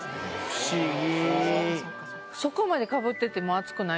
不思議。